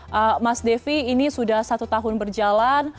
oke mas devi ini sudah satu tahun berjalan